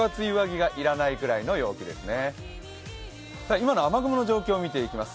今の雨雲の状況を見ていきます。